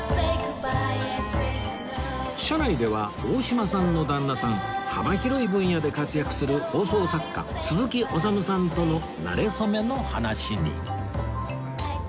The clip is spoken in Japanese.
車内では大島さんの旦那さん幅広い分野で活躍する放送作家鈴木おさむさんとのなれ初めの話に